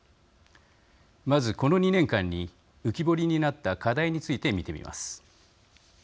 まずこの２年間に浮き彫りになった課題について見てみます。